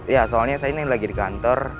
ya soalnya saya ini lagi di kantor